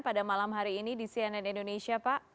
pada malam hari ini di cnn indonesia pak